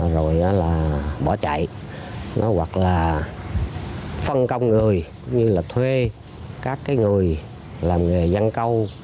rồi bỏ chạy hoặc là phân công người như là thuê các người làm nghề dân câu